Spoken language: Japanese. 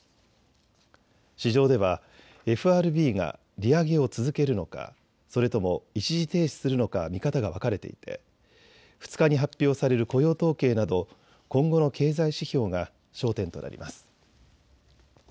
市場ではＦＲＢが利上げを続けるのか、それとも一時停止するのか見方が分かれていて２日に発表される雇用統計など今後の経済指標が焦点となります。